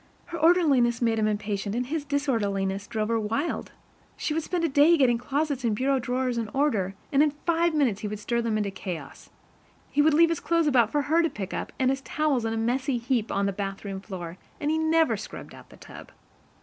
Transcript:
Her orderliness made him impatient, and his disorderliness drove her wild. She would spend a day getting closets and bureau drawers in order, and in five minutes he would stir them into chaos. He would leave his clothes about for her to pick up, and his towels in a messy heap on the bathroom floor, and he never scrubbed out the tub.